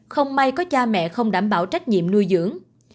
không may có cha mẹ không đảm bảo trách nhiệm nuôi dưỡng